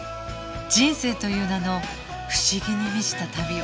人生という名の不思議に満ちた旅を